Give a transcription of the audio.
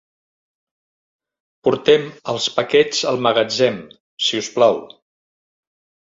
Portem els paquets al magatzem, si us plau.